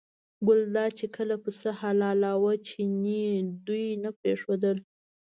ګلداد چې کله پسه حلالاوه چیني دوی نه پرېښودل.